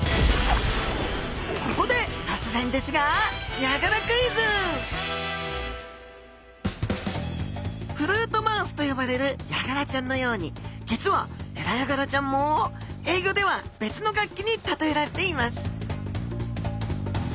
ここで突然ですがフルートマウスと呼ばれるヤガラちゃんのように実はヘラヤガラちゃんも英語では別の楽器に例えられています